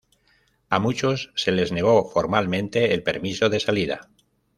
A muchos se les negó formalmente el permiso de salida.